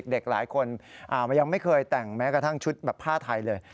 เด็กหลายคนยังไม่เคยแต่งแม้กระทั่งชุดแบบผ้าไทยเลย